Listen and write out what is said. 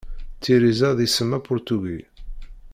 Tiriza d isem apurtugi.